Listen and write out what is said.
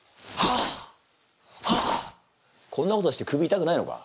こんなことして首いたくないのか？